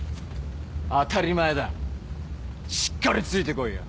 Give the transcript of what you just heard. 当たり前だしっかりついて来いよ。